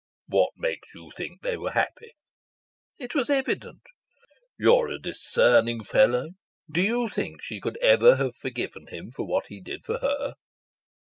"What makes you think they were happy?" "It was evident." "You are a discerning fellow. Do you think she could ever have forgiven him for what he did for her?"